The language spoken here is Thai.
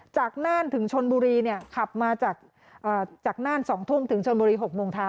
จากนานถึงชนบุรีเนี่ยขับมาจากนาน๒ทุ่มถึงชนบุรี๖โมงเท้า